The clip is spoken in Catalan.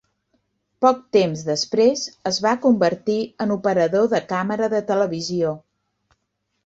Poc temps després es va convertir en operador de càmera de televisió.